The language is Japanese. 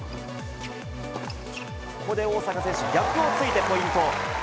ここで大坂選手、逆を突いてポイント。